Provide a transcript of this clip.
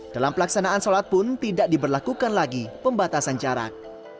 dalam pelaksanaan sholat pun tidak diberlakukan lagi pembatasan jarak